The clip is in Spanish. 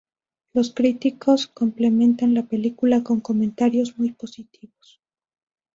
Los críticos complementan la película con comentarios muy positivos.